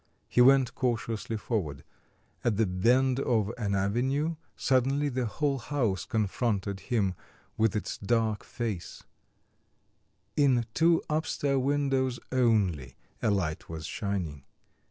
He went cautiously forward. At the bend of an avenue suddenly the whole house confronted him with its dark face; in two upstair windows only a light was shining.